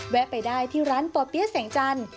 ไปได้ที่ร้านป่อเปี๊ยะแสงจันทร์